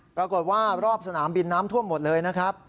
รอบสนามบินน้ำท่วมหมดเลยนะครับ